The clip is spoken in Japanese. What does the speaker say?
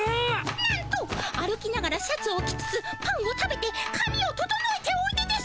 なんと歩きながらシャツを着つつパンを食べてかみを整えておいでです。